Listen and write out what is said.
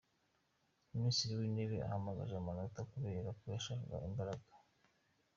"Minisitiri w'Intebe yahamagaje amatora kubera ko yashakaga imbaraga.